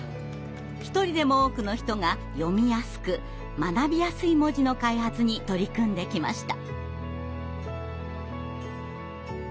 一人でも多くの人が読みやすく学びやすい文字の開発に取り組んできました。